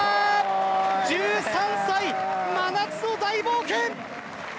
１３歳、真夏の大冒険！